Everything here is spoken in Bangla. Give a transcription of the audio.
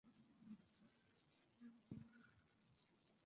আমার বন্ধুও তোমার এই স্টাইল দেখতে চাইবে।